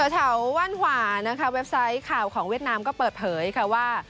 แถวว่านหวานะคะเว็บไซต์ข่าวของเวียดนามก็เปิดเผยค่ะว่า